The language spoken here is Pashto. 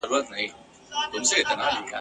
په تېر اختر کي لا هم پټ وم له سیالانو څخه ..